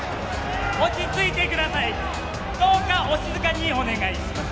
落ち着いてくださいどうかお静かにお願いします